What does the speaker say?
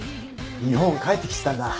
日本帰ってきてたんだ。